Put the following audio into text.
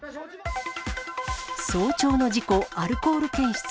早朝の事故、アルコール検出。